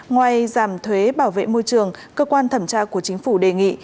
ngoài giảm thuế bảo vệ môi trường cơ quan thẩm tra của chính phủ đề nghị